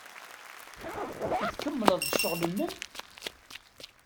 I tkemmleḍ ccɣel-nnem?